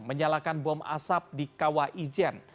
menyalakan bom asap di kawaijen